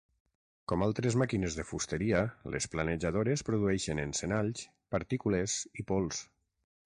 Com altres màquines de fusteria les planejadores produeixen encenalls, partícules i pols.